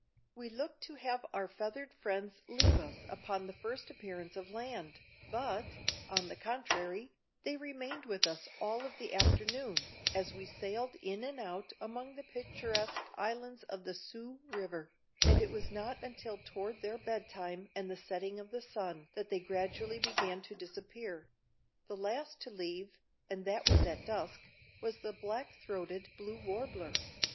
We looked to have our feathered friends leave us upon the first appearance of land, but, on the contrary, they remained with us all of the afternoon, as we sailed in and out among the picturesque islands of the "Soo" river, and it was not until toward their bed time and the setting of the sun that they gradually began to disappear; the last to leave, and that was at dusk, was the black throated blue warbler.